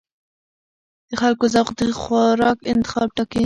د خلکو ذوق د خوراک انتخاب ټاکي.